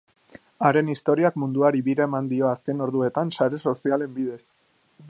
Haren historiak munduari bira eman dio azken orduetan sare sozialen bidez.